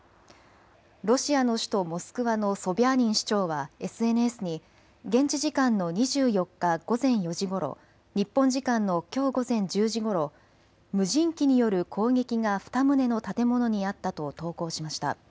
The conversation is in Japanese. ロシアの首都モスクワのソビャーニン市長はＳＮＳに現地時間の２４日午前４時ごろ、日本時間のきょう午前１０時ごろ、無人機による攻撃が２棟の建物にあったと投稿しました。